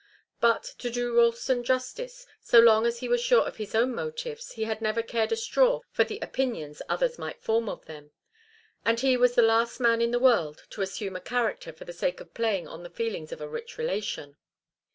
But, to do Ralston justice, so long as he was sure of his own motives he had never cared a straw for the opinions others might form of them, and he was the last man in the world to assume a character for the sake of playing on the feelings of a rich relation.